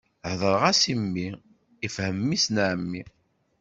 Hedṛeɣ-as i mmi, ifhem mmi-s n ɛemmi.